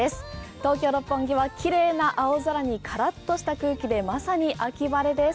東京・六本木は綺麗な青空にからっとした空気でまさに秋晴れです。